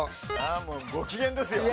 もうご機嫌ですよ。